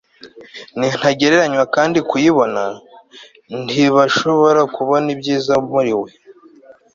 ni ntagereranywa kandi kuyibona, ntibashobora kubona ibyiza muriwe